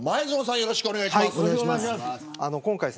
よろしくお願いします。